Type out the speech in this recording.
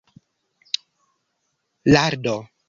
lardo